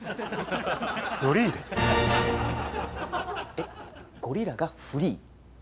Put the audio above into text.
えっゴリラがフリー？